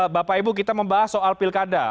bapak ibu kita membahas soal pilkada